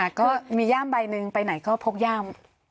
ก็มีย่ามใบหนึ่งไปไหนก็พกย่าม